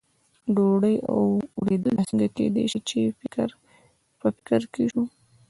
ډوډۍ او ورېدل، دا څنګه کېدای شي، په فکر کې شو.